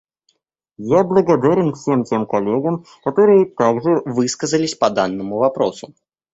Я благодарен всем тем коллегам, которые также высказались по данному вопросу.